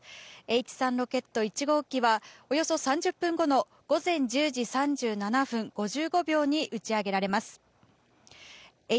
Ｈ３ロケット１号機はおよそ３０分後の午前１０時３７分５５秒に打ち上げられます。